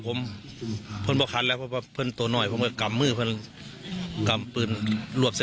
ผมเป็นผู้เอาไปกำเอาปืนในมือผู้ก่อเหตุออกไว้